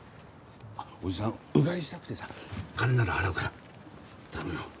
おじさんうがいしたくてさ金なら払うから頼むよ